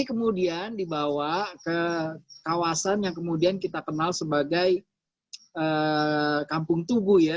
kemudian dibawa ke kawasan yang kemudian kita kenal sebagai kampung tugu ya